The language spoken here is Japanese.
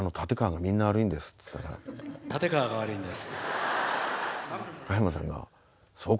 立川が悪いんです。